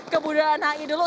ke budaya hi dulu